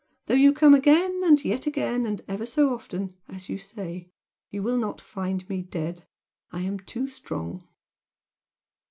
Though you come 'again and yet again and ever so often' as you say, you will not find me dead! I'm too strong!"